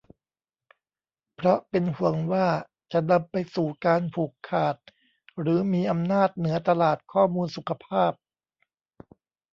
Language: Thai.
เพราะเป็นห่วงว่าจะนำไปสู่การผูกขาดหรือมีอำนาจเหนือตลาดข้อมูลสุขภาพ